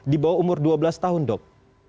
di bawah umur dua belas tahun dok